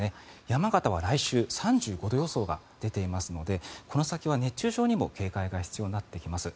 山形は来週３５度予想が出ていますのでこの先は熱中症にも警戒が必要になってきます。